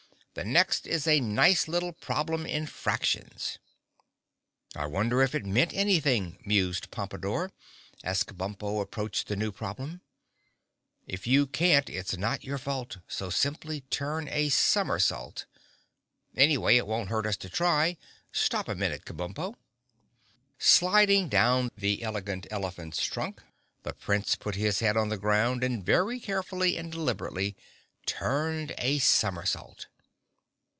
"The next is a nice little problem in fractions." "I wonder if it meant anything?" mused Pompadore, as Kabumpo approached the new problem. "'If you can't its not your fault, so simply turn a summersault.' Anyway it wouldn't hurt to try. Stop a minute, Kabumpo!" Sliding down the Elegant Elephant's trunk, the Prince put his head on the ground and very carefully and deliberately turned a somersault.